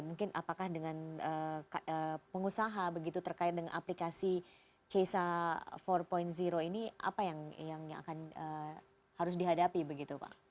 mungkin apakah dengan pengusaha begitu terkait dengan aplikasi cesa empat ini apa yang akan harus dihadapi begitu pak